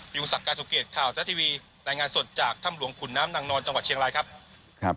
ยุงศักดิ์สุเกตข่าวทะทีวีรายงานสดจากถ้ำหลวงขุนน้ำนางนอนจังหวัดเชียงรายครับ